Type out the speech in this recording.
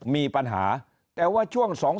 มีปัญหาแต่ว่าช่วง๒